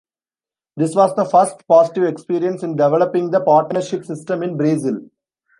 This was the first positive experience in developing the partnership system in Brazil.